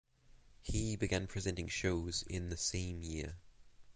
He began presenting shows in the same year.